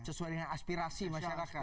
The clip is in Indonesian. sesuai dengan aspirasi masyarakat